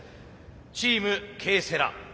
チームＫセラ。